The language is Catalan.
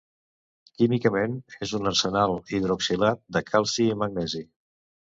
Químicament és un arsenat hidroxilat de calci i magnesi.